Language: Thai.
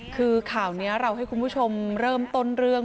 คือข่าวนี้เราให้คุณผู้ชมเริ่มต้นเรื่อง